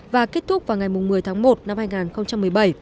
và kết thúc vào ngày một mươi tháng một năm hai nghìn một mươi bảy